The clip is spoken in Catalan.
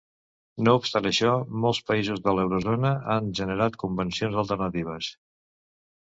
No obstant això, molts països de l'Eurozona han generat convencions alternatives.